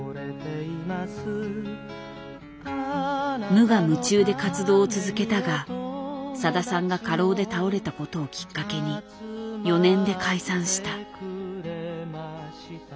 無我夢中で活動を続けたがさださんが過労で倒れたことをきっかけに４年で解散した。